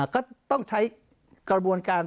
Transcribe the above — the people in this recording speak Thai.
ก็ต้องใช้กระบวนการ